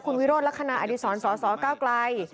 คุณวิโรธลักษณะอดีศรสสเก้าไกล